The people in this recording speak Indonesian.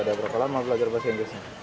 sudah berapa lama belajar bahasa inggris